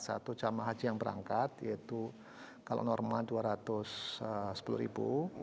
satu jamaah haji yang berangkat yaitu kalau normal rp dua ratus sepuluh ribu